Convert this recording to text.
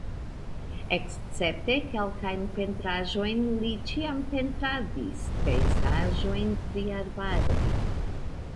Escepte kelkajn pentraĵojn li ĉiam pentradis pejzaĝojn pri arbaroj.